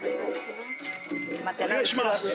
・お願いします。